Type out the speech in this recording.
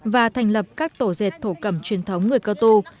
và thành lập các tổ dệt thổ cẩm truyền thống người cơ tu